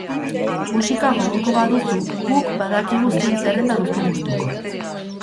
Musika gogoko baduzu, guk badakigu zein zerrenda duzun gustuko!